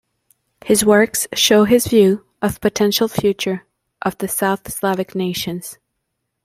His works show his view of potential future of the South Slavic nations.